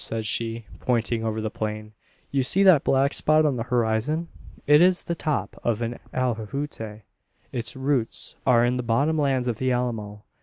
says she, pointing over the plain; "you see that black spot on the horizon? It is the top of an alhuehuete. Its roots are in the bottom lands of the Alamo.